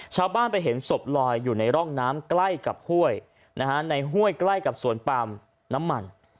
ชาวบ้านไปเห็นศพลอยอยู่ในร่องน้ำใกล้กับห้วยในห้วยใกล้กับสวนปาล์มน้ำมัน